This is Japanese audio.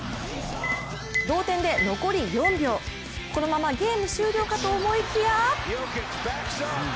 同点で残り４秒、このままゲーム終了かと思いきや。